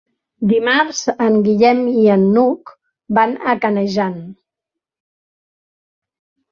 Dimarts en Guillem i n'Hug van a Canejan.